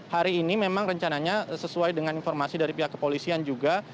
hari ini memang rencananya sesuai dengan informasi dari pihak kepolisian juga